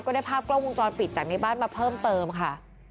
ก็ได้ภาพเกาะปรุงจรปีดจากในบ้านมาเพิ่มเติมค่ะ